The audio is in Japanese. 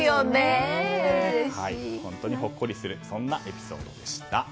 本当にほっこりするエピソードでした。